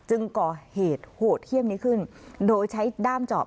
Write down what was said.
จึงก่อเหตุโหดเยี่ยมนี้ขึ้นโดยใช้ด้ามจอบ